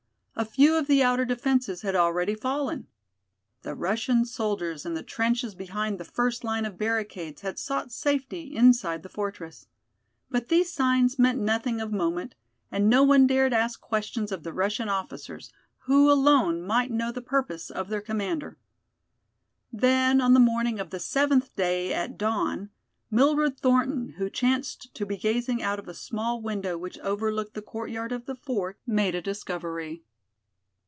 A few of the outer defenses had already fallen. The Russian soldiers in the trenches behind the first line of barricades had sought safety inside the fortress. But these signs meant nothing of moment, and no one dared ask questions of the Russian officers, who alone might know the purpose of their commander. Then on the morning of the seventh day, at dawn, Mildred Thornton, who chanced to be gazing out of a small window which overlooked the courtyard of the fort, made a discovery.